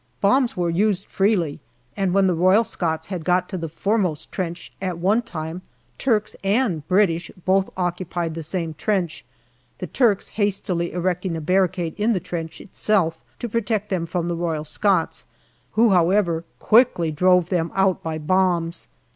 Bombs were used freely, and when the Royal Scots had got to the foremost trench, at one time Turks and British both occupied the same trench, the Turks hastily erecting a barricade in the trench itself to protect them from the Royal Scots, who, however, quickly drove them out by bombs.